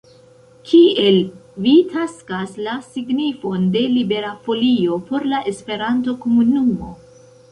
Kiel vi taksas la signifon de Libera Folio por la Esperanto-komunumo?